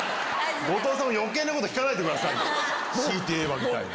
後藤さんも余計なこと聞かないでくださいよ。